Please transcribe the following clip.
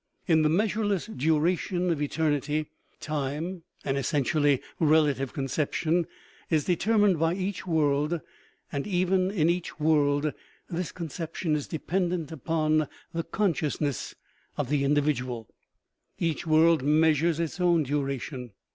In the measureless duration of eternity, time, an essen tially relative conception, is determined by each world, and even in each world this conception is dependent upon the consciousness of the individual. Each world measures its own duration.